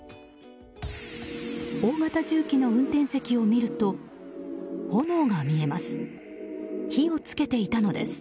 大型重機の運転席を見ると炎が見えます。